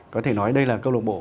có thể nói đây là câu lục bộ